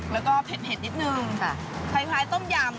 แล้วก็เผ็ดเหงื่อยิบหนึ่งค่ะคล้ายต้มยำ